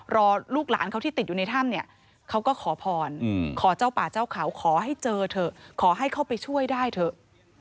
ลูกหลานเขาที่ติดอยู่ในถ้ำเนี่ยเขาก็ขอพรขอเจ้าป่าเจ้าเขาขอให้เจอเถอะขอให้เข้าไปช่วยได้เถอะ